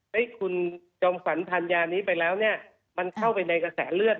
ว่าคุณจงฝันทานยานี้ไปแล้วมันเข้าไปในกระแสเลือด